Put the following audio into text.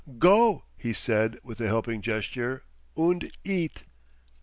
"Go," he said with a helping gesture, "und eat."